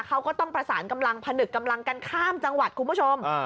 เขาก็ต้องประสานกำลังผนึกกำลังกันข้ามจังหวัดคุณผู้ชม